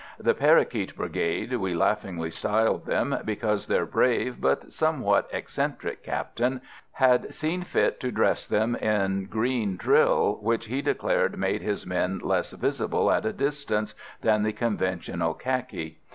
The "parrakeet brigade" we laughingly styled them, because their brave but somewhat eccentric captain had seen fit to dress them in green drill, which he declared made his men less visible at a distance than the conventional khaki.